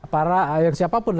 para yang siapapun